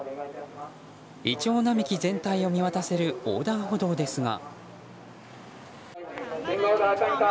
イチョウ並木全体を見渡せる横断歩道ですが。